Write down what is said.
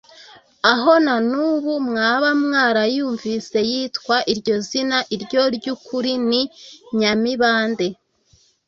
aho, na n’ubu. mwaba mwarayumvise yitwa iryo zina. iryo ry’ukuri ni nyamibande.